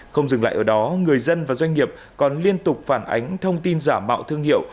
không dừng lại ở đó người dân và doanh nghiệp còn liên tục phản ánh thông tin giả mạo thương hiệu